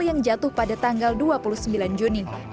yang jatuh pada tanggal dua puluh sembilan juni